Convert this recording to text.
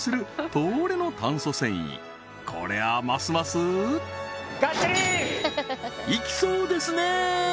東レの炭素繊維こりゃますますいきそうですね！